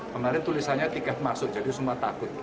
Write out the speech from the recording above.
kemarin tulisannya tiket masuk jadi semua takut